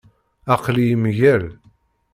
Aql-iyi mgal.